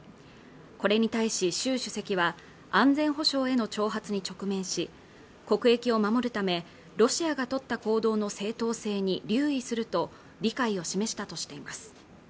これに対し周主席は安全保障への挑発に直面し国益を守るためロシアが取った行動の正当性に留意すると理解を示したとしています